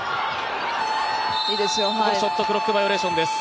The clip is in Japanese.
ショットクロックバイオレーションです。